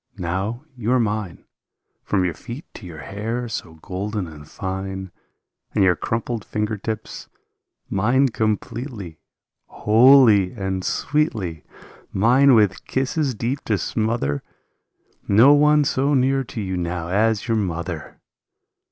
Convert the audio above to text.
Now you are mine From your feet to your hair so golden and fine, And your crumpled finger tips ... mine com pletely, Wholly and sweetly; Mine with kisses deep to smother. No one so near to you now as your mother